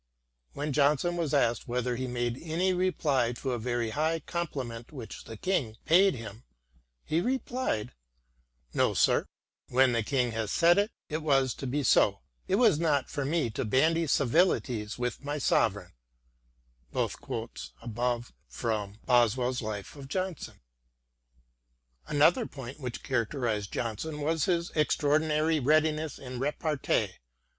When Johnson was asked whether he made any reply to a very high compliment which the King paid him, he replied :" No, sir, when the King had said it, it was to be so. It was not for me to bandy civilities with my sovereign." t Another point which characterised Johnson was his extraordinary readiness in repartee.